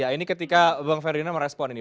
ini ketika bang ferdinand merespon ini